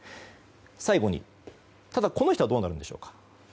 最後に、ただこの人はどうなるんでしょうか。